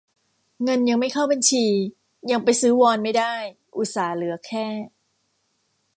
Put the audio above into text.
เงินยังไม่เข้าบัญชี ยังไปซื้อวอนไม่ได้ อุตส่าห์เหลือแค่